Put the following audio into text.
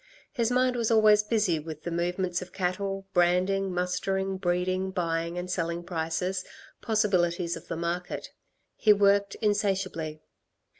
His mind was always busy with the movements of cattle, branding, mustering, breeding, buying and selling prices, possibilities of the market. He worked insatiably.